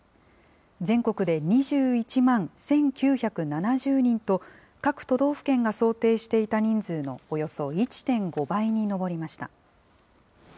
全国で２１万１９７０人と、各都道府県が想定していた人数のおよそ１．５倍に上りました。